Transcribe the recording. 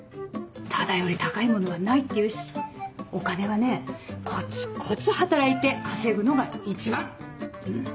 タダより高いものはないっていうしお金はねコツコツ働いて稼ぐのが一番うん！